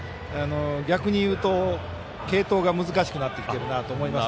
逆に言うと、継投が難しくなってきていると思います。